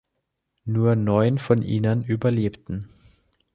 Nur neun von ihnen überlebten.